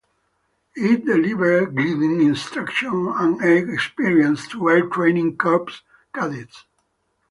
It delivered gliding instruction and air experience to Air Training Corps cadets.